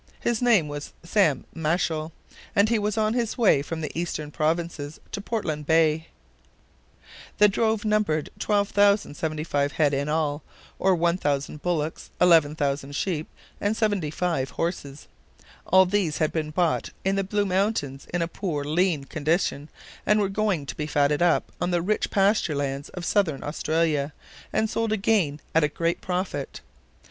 His name was Sam Machell, and he was on his way from the eastern provinces to Portland Bay. The drove numbered 12,075 head in all, or l,000 bullocks, 11,000 sheep, and 75 horses. All these had been bought in the Blue Mountains in a poor, lean condition, and were going to be fatted up on the rich pasture lands of Southern Australia, and sold again at a great profit.